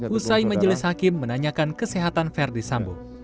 usai majelis hakim menanyakan kesehatan verdi sambo